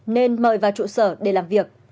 nên mời vào trụ sở để làm việc